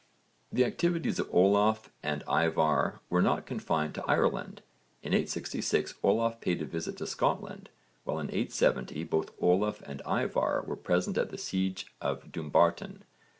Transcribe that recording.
The activities of Olaf and Ívarr were not confined to Ireland. In 866 Olaf paid a visit to Scotland, while in 870 both Olaf and Ívarr were present at the siege of Dumbarton.